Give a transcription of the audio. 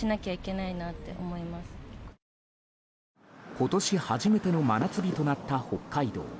今年初めての真夏日となった北海道。